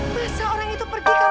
masa orang itu pergi ke